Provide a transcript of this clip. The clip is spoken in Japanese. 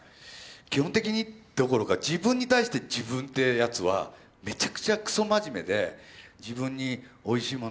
基本的にどころか自分に対して自分ってやつはめちゃくちゃくそ真面目で自分においしいもの